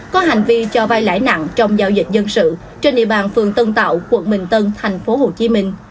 có hành vi cho vây lãi nặng trong giao dịch dân sự trên địa bàn tp tân tạo tp hcm